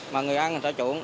mà người ăn người ta chuộng